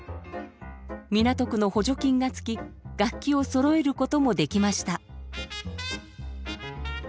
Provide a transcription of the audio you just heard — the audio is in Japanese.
港区の補助金がつき楽器をそろえることもできました。